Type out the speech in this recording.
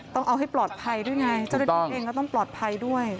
ต้องเอาให้ปลอดภัยด้วยไงเจ้าหน้าที่เองก็ต้องปลอดภัยด้วย